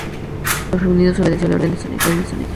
Ninguno de los reunidos obedeció la orden de salida.